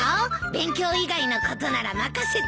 勉強以外のことなら任せといて。